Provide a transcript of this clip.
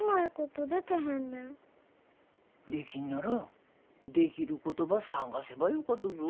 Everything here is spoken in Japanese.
できんならできることば探せばよかとぞ。